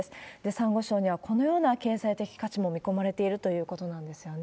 サンゴ礁にはこのような経済的価値も見込まれているということなんですよね。